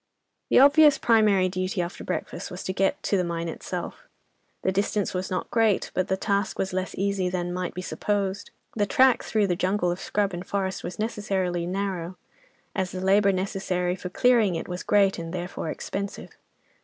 The obvious primary duty after breakfast was to get to the mine itself. The distance was not great, but the task was less easy than might be supposed. The track through the jungle of scrub and forest was necessarily narrow, as the labour necessary for clearing it was great and, therefore, expensive.